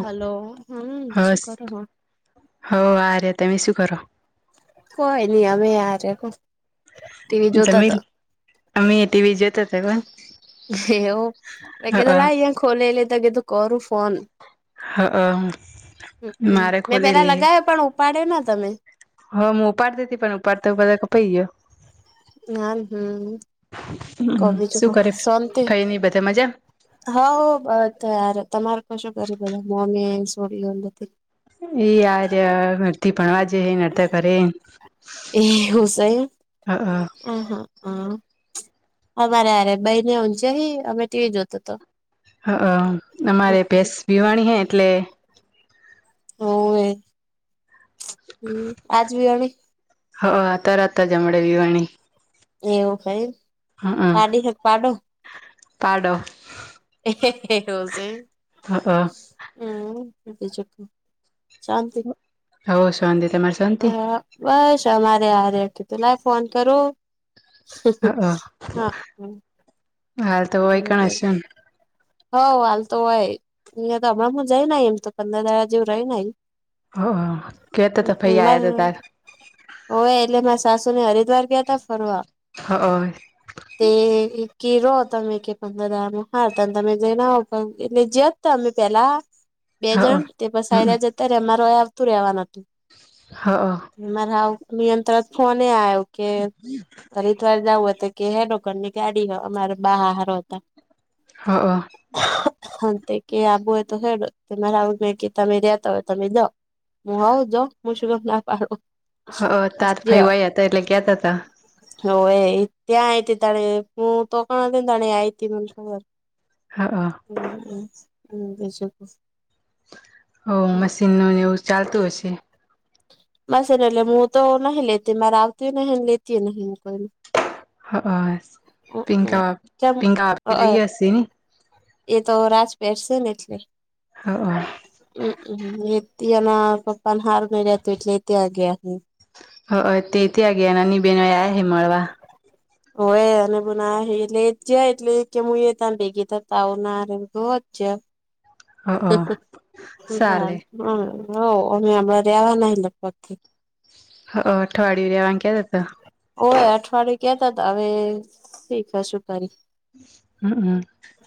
Hello હમ શું હસ કરો હો હ આરયા તમે શું કરો કય ની અવે આ ચખજ જમીલ અમે ટીવી જોતાં તા કા એવુ મેં કીધું લાવ યે ખોલેલુ તો મેં તો કરું ફોન હ અ મ હમ મેં પેલા લગાવ્યો પણ ઉપાડ્યો ના તમે હ મુ ઉપાડતી તી પણ ઉપાડતા ઉપાડતા કપય ગ્યો હા હમ હ કો બીજું શું કો કરે કઈ નઈ બધા મજા હવ અ તયાર તમારે કશું કછે બધા મમ્મી ન સોડીયો ન બધે એ યાર નર્તિ ભણવા જેે હે નર્ત કરે એ હું સે હ હ અમ હ અમારે અરે બાઈને હંજ હિં અમે ટીવી જોતો તો હ અ અમારે ભેસ પી હોવે હમ આજ ભી આવડે હ અ અતાર અતાર જમણે વિવાણી એવું હોય પાડી શક પાડો પાડો એ હે હૈ હ છે હ હમ હુકે ચકુ શાંતિ હવ શાંતિ તમાર શાંતિ હા બસ અમારે આ રટ ત લ ફોન કરુ હ અ હા હ હાલ તો હોય કણ હશે ન હઉ હાલ તો હોય અહંયા તો હમણાંમાં જય ન એમ તો પંદર દધા જેવું રઈ ન આઈ હ કેતો તો ફઈ આયા તા તાર હોએ એટલે માર સાસુને એ હરિદ્વાર ગ્યા તા ફરવા હ તે એકકી રો ત મે કે પંદર દારામ હાર તા તમે જઈને આવો ત્યાર તે અમે જ્યાં તા અમે પેહલા બે જણ હ તે હમ પસાયેલા્યા જ ત્યારે અમાર અય આવતું રેવાન હતું હ મારા નિય તરત ફોન આવ્યો કે હરિદ્વાર જાવું હત કે હેલોકર ની ગાડી હ અમાર બહાર હતા હ અ તે કે આવું હોય તો ખેરા આવું કે તમે રતા હોય તમે જાઓ હું હ જા મ શુંધ ના પાું હ તત ફાઈ વાઈ હતા એટલે ગયાતા તા હ એ ત્યાં આતી તણે હું તો કણ હતીને તણી આયતી મર હા હ હમમ હ બજકો હ મશીન નું એવું ચાલતું હશે બસ એના લ મુું તો નહી લેતી મે ર આવતી નહીં લતી નહીંઈ હ હ હમ પીંંગા કેમ પિંંગકા આપ રઈએસીી નને એ તો રાજપેટ છે ને એટલે હા હમમ એ એના પપ્પા ને હાર નઈ રતું એટલે એ ત્યાં ગયા હ હ તે તે નાની બેનો આ હ મળવા [inaudible] હો એ અને બ ના હ એટલે એ જયા એટલે કે હું એ ત્યાને ભેગી થતા આવ નારેધ જ હ ચાલે અમે આપણા રેવા નહ લ પ હ અઠવાડિું ર્યા વામાંગ્યા હતા હતા ઓય અઠવાડિયું કેતા તો હવે શીખ હશું તારી હમ હમ હ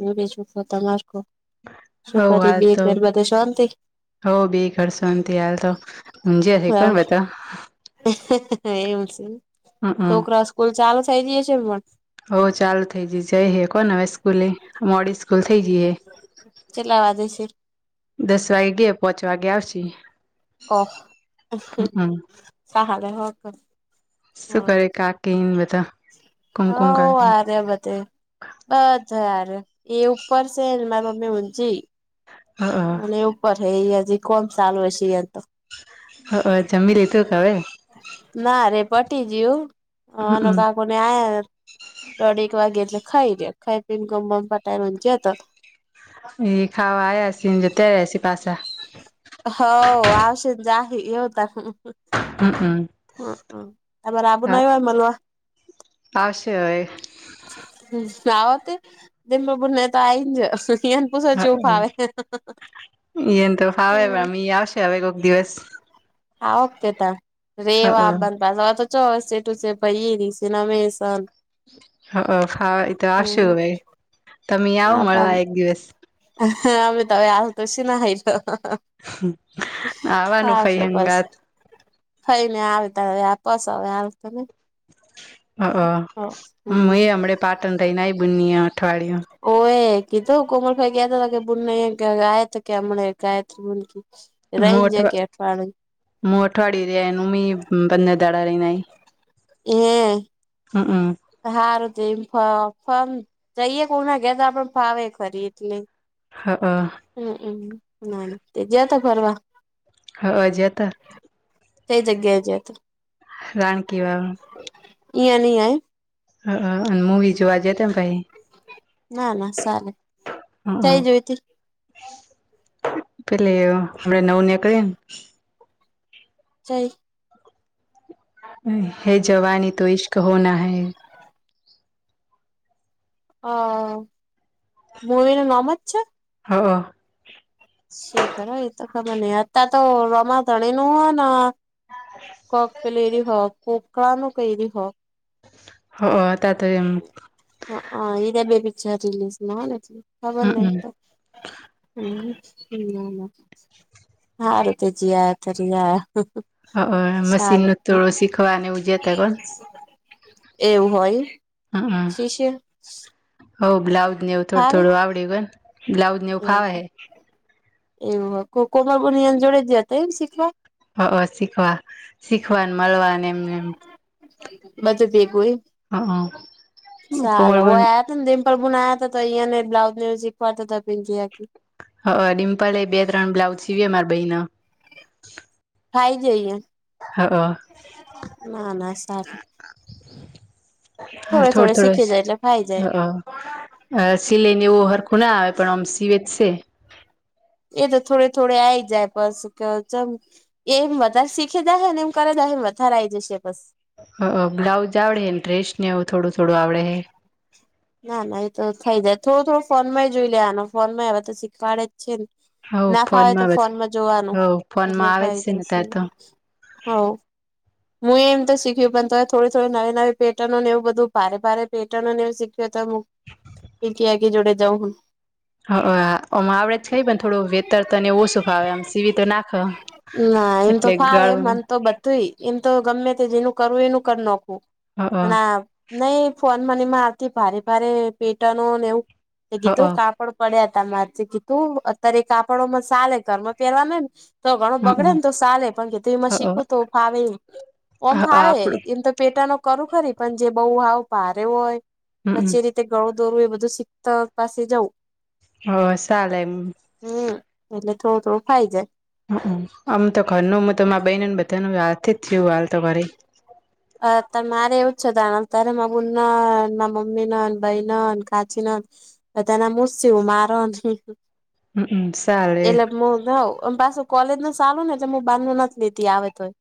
હ બીજું તમાર શુખરી બગર મધ શાંતિ હો બે ઘરસંત આલ તો હજે હ ને બધા એમ છે હમ છોકરા સ્કૂલ ચાલુ થઇ જે છે એમ હઉ ચાલુ થઇ જ જઈ હે કોને હવે સ્કૂલી મોડી સ્કૂલ થઇ ગઈે કેટલા વાગે છે દસ વાગે ગયા પોંચ વાગે આવશે ઓ સહલે હમ હ શું કરે કાકી બધા હ કુમકુમ કાકી આરે બધે બધ આરે એ ઉપરસે મા મમ્ી હજી હ હા ઉપર હે એ હજી કોણ ચાલું હ છે તો હ જમી લ તો કાવવે ના રે પટી ગયુંનો હમ કા કોને આ દોઢ એક વાગેટલે ખાઈ રહ ખાઈ પીને ગમ ગમ પટાઈજ હતા એ ખાવા આસી જતા રહ્યાસી પાસા હ આવશે જાય એવતા હમ હ ત રાબણાયું આમાં લવા આવશે હ સાાવતે દમ બુને તો આઈ જ ન પૂછો ચૂપ હવે આવેે એને તો ફાવે પણ ી આવશે હવે કોક દિવસ હા ઓ્તેતા હ રેવા બંધ ભ વા તો ચોેટું છે ભાઈ ર છે નામેસન હ હા એ તો આવશ ભાઈ તમે આવ મળવા એક દિવસ હ અમે તમે આલતો શી ના હ તો આવવાનું હા ફઈ શો બસ હંગાત થઈ ને આવે ત વ્યાપસ હ હ તમે હ હ હમ એ હમણા પાટણ થઈને બુન અઠવાડિય ઓ એ કીધું કોમલભાઈ ગયા હતા કે બુને ગાય તો કે હમણાં ગાય બ રાહીન જકે અઠવાણ. હું અઠવાડિય રહે એનું મી બંને દાડા રહીનેઈ. એ. હમ હમ. હારતેમમ. જઈએ કે ઉ ના કેેતા આપે ફાવે ખરી એટલે. હા હ. હમ હમ ના તેજતા ફરવા. હ હજ હતા. કઈ જગ્યાએ જ તો. રાણકીી બા. ય નહીય. હ અને મુંવીી જોવા જે ત ભાઈ. ના ના સારું હ થઈ જોય ત. પેલે હમણા નવું નીકળીને. જ. હે જવાની તો ઇશ્કહ ના હૈ. હ મુવીને નમ જ છે. હા હ. શીખ એતો ખબર નઈ અત તો રોમા ધણે નું હોય ને. કક ફલેરી હોક કોકળ ન કરી હો. હ ત તો એ. હા હ એ બે પિકક્ચર રિલીઝ નટલી હ હમમ બનતા. હમ હ. હા રતેજી આ તરી આ. હ મશીન ન થોડું શીખવાને એવું જતા કો. એવું હોય શિષ્ય. હો બ્લાઉઝ નેવું થોડું હારે થોડું આવડ ગ બ્લાઉજ નેવ ફાવ એવું હ. એવું કોમાર બને જોડે દયા તો એમ શીખવા. હ શીખવા શીખવાને મળવા એમને એ. બચતી કોઈ હ સાલવ કોમલબન આ ત. પર બુનાયા હતા યયાને બ્લાઉઝ ન સીખવાતા પી. હ ડિમ્પલ એ બે ત્રણ બ્લાઉઝ સીવી મારા ભાઈ ના. ખાઈ જઈએ હ હાલ ના ના સ. હાલ થોડે થોડું શીખી જાય એટલે ફાઈ જાય થોડું. હ સિલાઈ ને એવું હરખું ના આવે પણ આમ સિવે જ છે. એ તો થોડે થોડે આઈ જાય બસ કેમ. એમ વધારે શીખે દાય હ ને એમ કરે દાયમ વધારે આ આવી જશે બસ. બ્લાઉઝ આવડે ને ડ્રેસને એવું થોડું થોડું આવડે હ. ના ના એ તો થઈ જાય થોડું થોડું ફોનમાં જોઈ લે ફોન માં એવા તો શીખવાડે જ છે ને. હ ના ખવાય તો હ ફોનમાં જોવાનું એટલે ફોનમાં આવે જ ખાઈ છે ને જશે તાર તો હ. હું એમ તો શીખ્યું પણ તો થોડી થોડી નવી નવી પેટર્ન ને એવું બધું ભારે ભારે પેટર્નને એવું શીખ્યું હત. એી આગે જોડે જાઉ હન. હ આવડે જ ખાઈ પણ થોડું વેતર તોને એવ ઓ શું ફાવે આમ સીવી તો નાખો. એટલે ગળું. તુંય એમ તો ગમે તે જેનું કરવું એનું કર નાખું હ હ અને આ. નહી ફોન મનીમાં આવતી ભારે ભારે પેટર્નોને એવું હ હ કીધું કાપડ. પડ્યા ત મા કે તું અત્યારે કાપડોમાં ચલે ઘરમાં પેરવા નેને. તો ઘણો બગડે ને તો ચાલે પણ કેું એમાં હ શીખું તો. ભાવ ઓમ હ ફાવે આપડું એમ તો પેટનો. ખું ખરી પણ જે બહુ હાવ પારે હોય હમમ કચેરી ગળું દોરું એ બધું શીખતા પાસે જવું હા ચલે હમ એટલે થોડું થોડું ફાઈ જાય હ આમ તો ઘરનું તો બનેને બધાનું હાથ જ થયું હાલ તો ઘરે અ મારે એવું જ છે ત ત્યારે મા બુન મા મમ્મી ના ભાઈ ના કાચી ના બધાના મુસી હું મારો ન હમ ચાલે એટલે પાછું કોલેજ ન ચાલું ને એટલે હું બાંધું નથી લીધી આવે તોય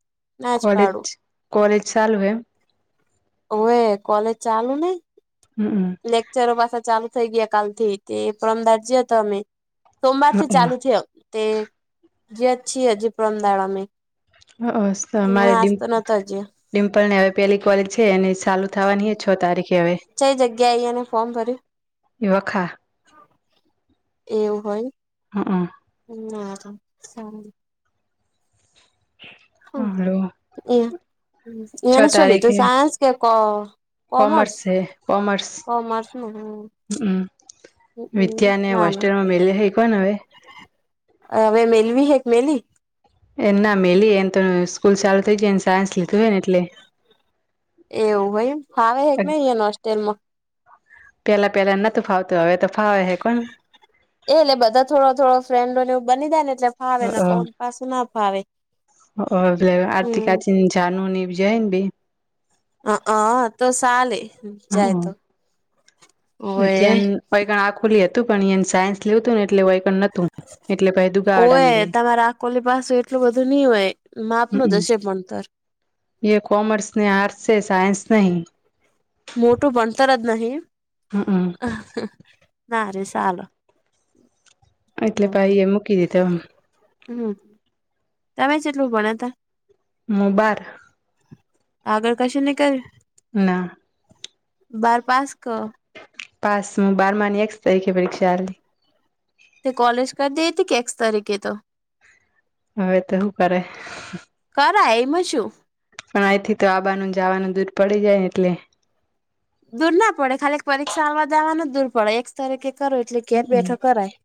ના જ કોલેજ પાડું કોલેજ ચાલુ એ ઓવે કોલેજ ચાલુ નહી હમ હમ. લેકચરો પાછા ચાલુ થઈ ગયા કાલ થી તે એ પરમ દાડ જયો હતો મે. સોમવારથી ચાલુ છે, તે જે છી જી પરમ દાડામે હ [unintelligible] જ્યાં ડિમ્પલ ને હવે પેલી કોલેજ છે એને ચાલુ થવાની હ છ તારીખે હવે છેઈ જગ્યાએ એને ફોર્મ ભર્યું? વખા. એવું હમ હોય. હમ હલો હ એ છ એને ચોલી તું તારીખે સાયન્સ કે કો કોમર્સ છે કોમર્સ કોમર્સ નું હમ. હમ મિત્યા ને ના ના હોસ્ટેલમાં મેલ્યો હ કોવાને હવે હવે મેલ્વી હેક મેલી એ ના મેલી એમ તો સ્કૂલ ચાલુ થઈ જાયને સાયન્સ લીધું હોય ને એટલે એવું હોઈ ફાવે હે કે નહીં એને હોસ્ટેલમાં? પેલા પહેલા નોતું ફાવતું હવે તો ફાવે હ કોણ એટલે બધા થોડો થોડો ફ્રેન્ડો એવ બની દે ને એટલે ફાવે ને કોમ પાછું ના ફાવે હ અ બલે આરતી હમ કાચીન જાનુની જૈન બી હ તો ચાલે જાય તો ઓવે મિતિયાન [unintelligible] આખોલી હતું પણ એ સાયન્સ લેવું હતું ને એટલે વયકણ નતું એટલે પહિ દુગાવાડા ઓય મેલી તમારા આ કોલી પાસે એટલું બધું નઈ હોય માપ નુ જ હમ હશે પણ એ કોમર્સ ને આર્ટસ છે, સાયન્સ નહીં મોટું ભણતર જ નહી હમ અ હ‌ ના ર ચાલો એટલે હ પહિ હ. એ મૂકી દીધો હમ તમે જેટલું ભણયાતા? મુ બાર. આગળ કશે ની કર્યું. ના. બાર પાસ ક? પાસ હું બારમાની એક્સ તારીખે પરીક્ષાલી. તે કોલેજ કર દે હતી કે એકક્સ તરીકે તો. હવે તો શું કરે. કરાય એમાં છું. પણ અહીંથી તો આબાનું જવાનું દૂર પડી જાય ને એટલે. દૂર ના પડે ખાલી પરીક્ષા આલવા દેવાનું દૂર પડે એક તરીકે કરો એટલે ઘેર બેઠો કરાય.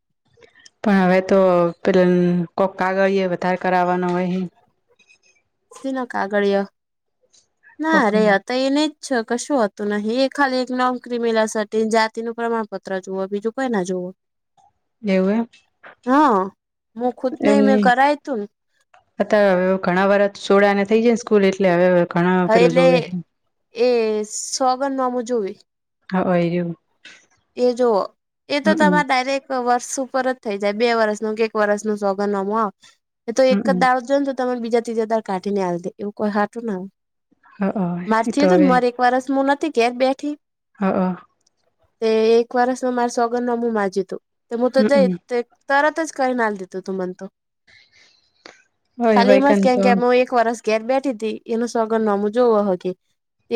પણ હવે તો પેલા કોઈક કાગળએ વધારે કરાવવાનો હોય. સી ન કાગળયો ના કોક અરે તો એને છ કશું હતું નહી એ ખાલી એક નોન ક્રિમિલર સર્ટી જાતિનું પ્રમાણપત્ર જુઓ બીજું કોઈ ના જુવ. [inaudible] હા હું ખુદ નહ મેં કરા હતું ન. અ હવે ઘણા વર સોડા ને થઈ જાય ને સ્કૂલ એટલે હવે. ઘણા હા પેલું એટલે જોવે એ સોગંદ નામું જોવી. [unintelligible] એ જો એ તો હમમ તમારે ડાયરેક્ટ. વર્ષ ઉપર જ થઈ જાય બે વર્ષ નુ કે એક વર્ષ નુ સોગન નામુ આવે એ તો એક જ હમમ દારજ તમે બીજા ત્રીજા દાડે કાઢી ને આલ દે એવું કોઈ હાટું ના હ એ મારથી તો હતું ને હવે મારે ફરસ મુું નથી ઘેર બેઠી. હા. તે એક વરસ નુ મારા સોગંદનામુ માજયુ તું તો હું તો જઈ હમમ તરત જ કઈ ના દો, તમને તો હોય ખાલી હોય એમાં જ કન કે તો કે એક. એક વરસ ઘેર બેઠી હતી, એનું સગન નમું જોવો કે.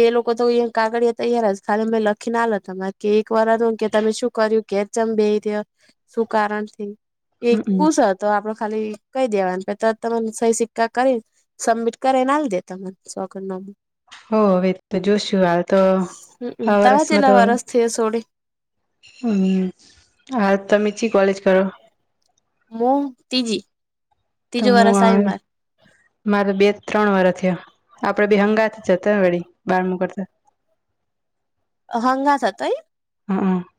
એ લોકો તો અયા કાગડીયા તૈયાર જ, ખાલી મેં લખીને લ તમારે. કે, એક વાર હતું કે તમે શું કર્યું? કેમ બે રહયા, શું કારણ? એક હમમ પૂછો હતો આપડો ખાલી કઈ દેવાને પે તને સહી સિક્કા કરી. સબમિટ કરાવને આાલ દેતા મને [unintelligible] ના. હો હવે તો જોશું હાલ તો હમમ આ તારા વરસમાં તો. [unintelligible] હમ, હ તમે ચી કોલેજ કરો. મુું તીજી. [unintelligible] મારે બે ત્રણ વાર થયા આપડે બી હંગા જતા વળી બાર મુ કરતા. [inaudible] અ હંગા થતોય. [unintelligible]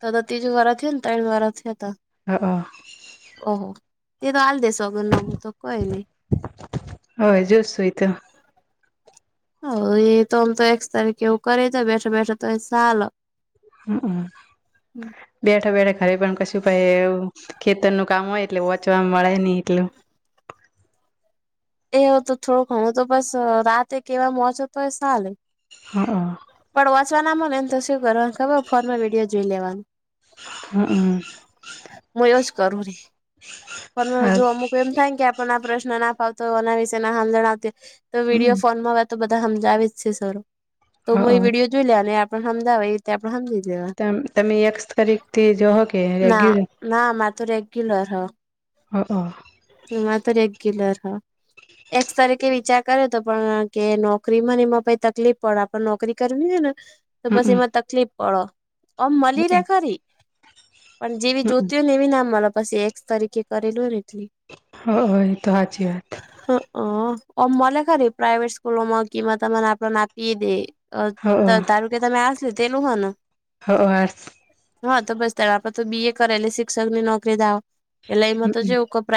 તો તો ત્રીજું વાળા થયા ને તા વાળા થયા હતા. હા. ઓહો એ તો હાલ દસોગર નમું તો કઈ ન. હય જોસ સોયતા. હ એ તોમ તો એકક્સ તારીખ એવું કરે તો બેઠા બેઠા તો સાલ. હમમ, બેઠા બેઠે ઘરે પણ કશું ભાઈ. ખેતરનું કામ હોય એટલે ઓંચવામાં મળે નઈ એટલું. એવ તો થોડું ઘણું તો બસ રાતે કેવા મોચ તો એ સાલે. હા. પણ ઓંવા નામ ને એમ તો શું કરવા ખબર ફોન માં વિડીયો જોઈ લેવાનું. હમમ. હું એજ કરું રી પણ હા જો અમુક. હું એમ થાય કે આપ આ પ્રશ્ન ના ફાવતો હોય એના વિશે ના હમ જણાવતી તો હમ વિડીયો ફોનમાં. તો બધા સમજાવે જ છે સર તો હઅ હું એ વિડીયો જોઈ લે ને આપને સમજાવે એ આપણે સમજી દેવા. ત તમે એકસ તારીખથી જોહો કે ના રેગ્યુલર. ના મા તો રેગ્યુલર હ. અ અ. માત્ર એક ગિલર હ. એકસ તરીકે વિચાર કર્યો તો પણ કે નોકરી મને એમાં પઈ તકલીફ પડ આપ નોકરી કરવી હોય ને તો પછી હમમ એમાં તકલીફ પડો આમ હઅ મળી રે ખરી. પણ જેવી હમમ જોતી હોય ને એવી નામ મ પછી એક્સ તરીકે કરેલું હોય ને એટલી. હ એ તો હાચી વાત. હ મને ખરી પ્રેટ સ્કૂલમાં ક ત આપ નાપી દે. હઅ હઅ તારું કે તમે આ તેલું હ. [unintelligible] હા, તો બસ તે તો બીએ કરેલી શિક્ષકની નોકરી દાવો એટલે એમાં તો હમમ જેવું કપરા